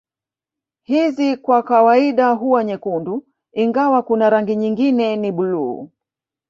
Hizi kwa kawaida huwa nyekundu ingawa kuna rangi nyingine ni blue